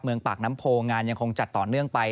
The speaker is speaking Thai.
ปากน้ำโพงานยังคงจัดต่อเนื่องไป